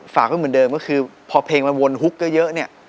ฝากให้เหมือนเดิมก็คือพอเพลงมันวนฮุกก็เยอะ